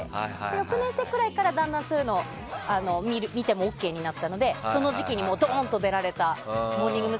６年生ぐらいから段々そういうのを見てもＯＫになったのでその時期にドーンと出られたモーニング娘。